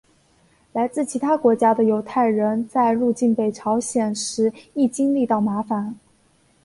来自其他国家的犹太人在入境北朝鲜时亦经历到麻烦。